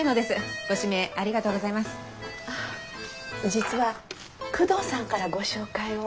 実は久遠さんからご紹介を。